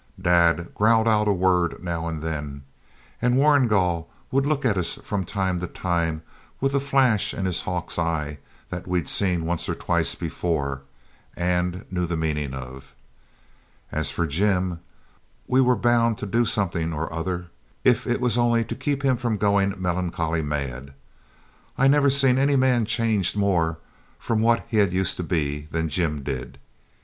Dad growled out a word now and then, and Warrigal would look at us from time to time with a flash in his hawk's eyes that we'd seen once or twice before and knew the meaning of. As for Jim, we were bound to do something or other, if it was only to keep him from going melancholy mad. I never seen any man changed more from what he used to be than Jim did.